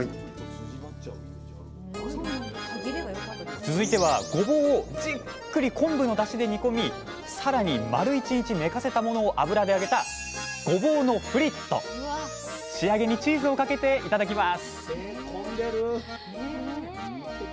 続いてはごぼうをじっくり昆布のだしで煮込みさらに丸１日寝かせたものを油で揚げた仕上げにチーズをかけて頂きます